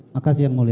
makasih yang mulia